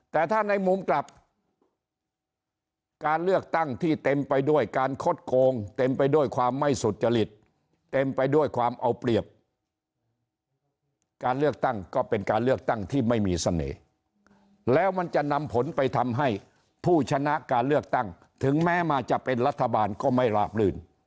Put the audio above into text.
แต่ถ้าในมุมกลับการเลือกตั้งที่เต็มไปด้วยการคดโกงเต็มไปด้วยความไม่สุจริตเต็มไปด้วยความเอาเปรียบการเลือกตั้งก็เป็นการเลือกตั้งที่ไม่มีเสน่ห์แล้วมันจะนำผลไปทำให้ผู้ชนะการเลือกตั้งถึงแม้มันจะเป็นรัฐบาลก็ไม่ลาบลื่น